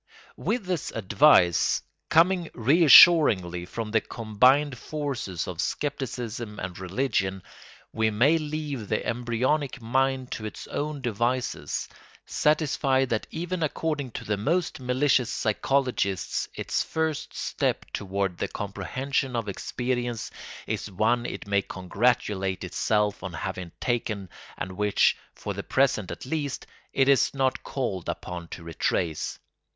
] With this advice, coming reassuringly from the combined forces of scepticism and religion, we may leave the embryonic mind to its own devices, satisfied that even according to the most malicious psychologists its first step toward the comprehension of experience is one it may congratulate itself on having taken and which, for the present at least, it is not called upon to retrace.